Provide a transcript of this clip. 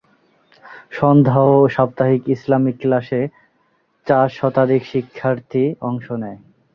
সন্ধ্যা ও সাপ্তাহিক ইসলামিক ক্লাসে চার শতাধিক শিক্ষার্থী অংশ নেয়।